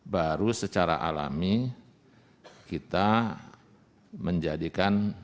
baru secara alami kita menjadikan